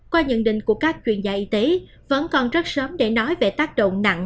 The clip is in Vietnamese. qua nhận định của các chuyên gia y tế vẫn còn rất sớm để nói về tác động nặng